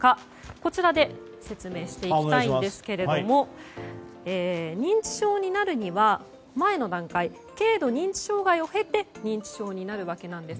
こちらで説明していきたいんですが認知症になるには、前の段階軽度認知障害を経て認知症になるわけです。